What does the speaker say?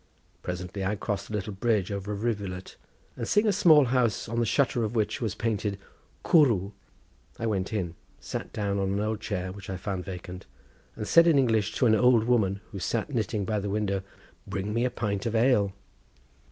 Presently I crossed a little bridge over a rivulet, and seeing a small house on the shutter of which was painted 'cwrw,' I went in, sat down on an old chair which I found vacant, and said in English to an old woman who sat knitting by the window: "Bring me a pint of ale!"